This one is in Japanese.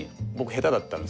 下手だったって。